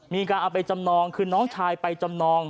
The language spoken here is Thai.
มีการเอาไปจำนองคือน้องชายไปจำนอง